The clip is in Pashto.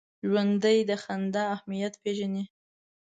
ژوندي د خندا اهمیت پېژني